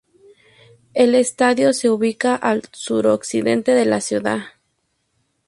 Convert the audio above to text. El estadio se ubica al suroccidente de la ciudad.